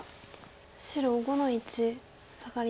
白５の一サガリ。